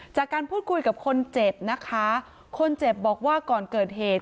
จากการพูดคุยกับคนเจ็บนะคะคนเจ็บบอกว่าก่อนเกิดเหตุ